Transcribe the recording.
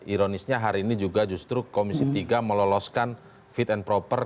ironisnya hari ini juga justru komisi tiga meloloskan fit and proper